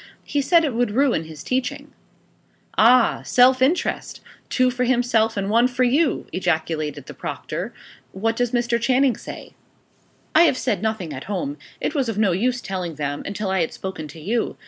He said it would ruin his teaching." "Ah! self interest two for himself and one for you!" ejaculated the proctor. "What does Mr. Channing say?" "I have said nothing at home. It was of no use telling them, until I had spoken to you.